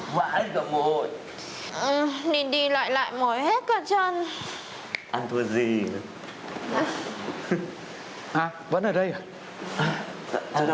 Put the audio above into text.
vẫn ở đây à chào chào bác